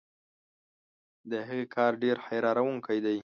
د هغې کار ډېر حیرانوونکی دی.